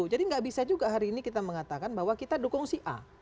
jadi enggak bisa juga hari ini kita mengatakan bahwa kita dukung si a